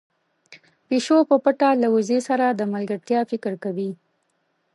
پيشو په پټه له وزې سره د ملګرتيا فکر کوي.